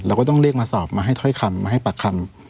ก็ต้องเรียกมาสอบมาให้ถ้อยคำมาให้ปากคำ